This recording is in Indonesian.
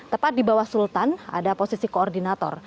tepat di bawah sultan ada posisi koordinator